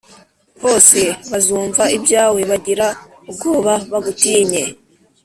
hose bazumva ibyawe bagira ubwoba bagutinye